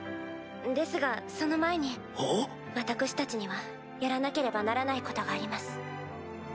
ですがその前に私たちにはやらなければならないことがあります。